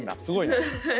すごいね。